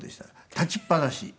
立ちっぱなし。